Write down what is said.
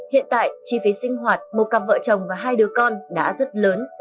hiện tại chi phí sinh hoạt một cặp vợ chồng và hai đứa con đã rất lớn